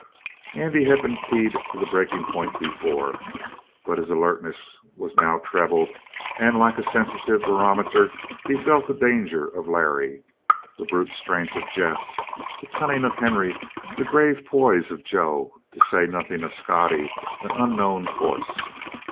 Andy had been keyed to the breaking point before; but his alertness was now trebled, and, like a sensitive barometer, he felt the danger of Larry, the brute strength of Jeff, the cunning of Henry, the grave poise of Joe, to say nothing of Scottie an unknown force.